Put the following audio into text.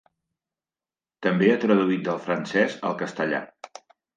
També ha traduït del francès al castellà.